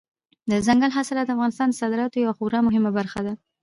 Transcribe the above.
دځنګل حاصلات د افغانستان د صادراتو یوه خورا مهمه برخه ده.